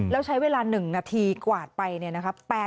แล้วใช้เวลา๑นาทีกวาดไปเนี่ยนะครับ